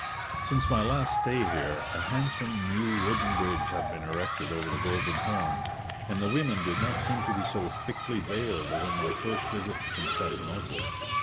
Since my last stay here a handsome new wooden bridge had been erected over the Golden Horn, and the women did not seem to be so thickly veiled as on my first visit to Constantinople.